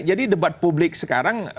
jadi debat publik sekarang